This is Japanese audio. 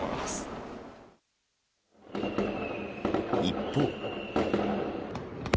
一方。